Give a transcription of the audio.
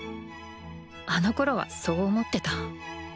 あのころはそう思ってた。